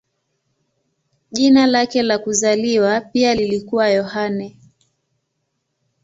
Jina lake la kuzaliwa pia lilikuwa Yohane.